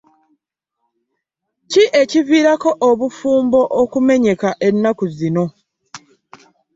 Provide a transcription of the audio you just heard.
Ki ekivirako obufumbo okumenyeka ennaku zino.